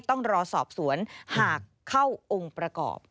ต้องรอสอบสวนหากเข้าองค์ประกอบ